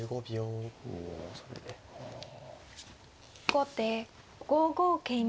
後手５五桂馬。